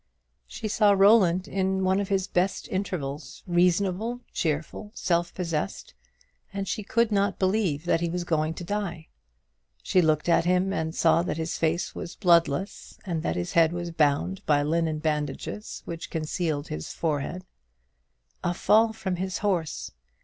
She saw Roland in one of his best intervals, reasonable, cheerful, self possessed, and she could not believe that he was going to die. She looked at him, and saw that his face was bloodless, and that his head was bound by linen bandages, which concealed his forehead. A fall from his horse!